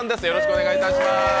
よろしくお願いします。